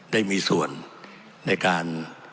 ได้มีส่วนในการ